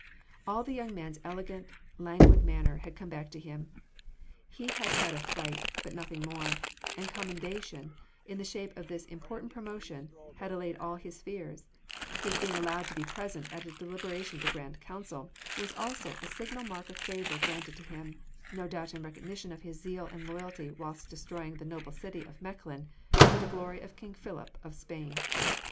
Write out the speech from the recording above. All the young man’s elegant, languid manner had come back to him. He had had a fright, but nothing more, and commendation in the shape of this important promotion had allayed all his fears: his being allowed to be present at a deliberation of the Grand Council was also a signal mark of favour granted to him, no doubt in recognition of his zeal and loyalty whilst destroying the noble city of Mechlin for the glory of King Philip of Spain.